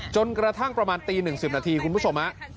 จนกระทั่งประมาณตีหนึ่งสิบนาทีคุณผู้ชมครับ